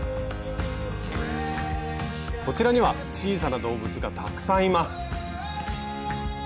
こちらには小さな動物がたくさんいます。